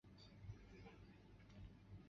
莱维莱特。